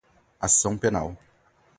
ação penal